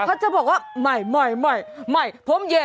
เขาจะบอกว่าไม่ไม่ผมแย่